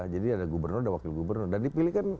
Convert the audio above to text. jadi ada gubernur ada wakil gubernur dan dipilihkan